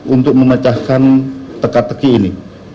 untuk memecahkan teka teki ini